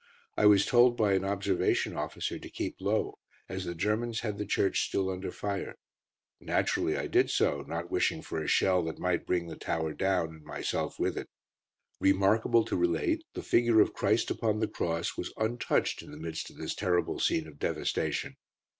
I was told by an observation officer to keep low, as the Germans had the church still under fire. Naturally I did so, not wishing for a shell that might bring the tower down, and myself with it. Remarkable to relate, the figure of Christ upon the Cross was untouched in the midst of this terrible scene of devastation.